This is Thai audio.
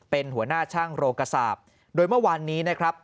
เป็นหัวหน้าช่างโรงกระสาปโดยเมื่อวานนี้นะครับ